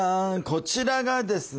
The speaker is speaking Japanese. こちらがですね